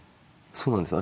そうなんですよ。